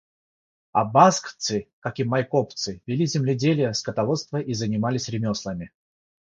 Абазхцы, как и майкопцы, вели земледелие, скотоводство и занимались ремеслами.